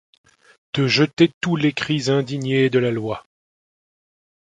Te jetait tous les cris indignés de la loi